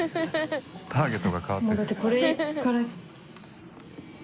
ターゲットが変わってる。